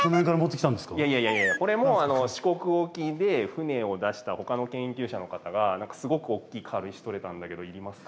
いやいやこれも四国沖で船を出したほかの研究者の方が何かすごく大きい軽石採れたんだけどいりますか？